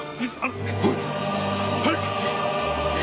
早く！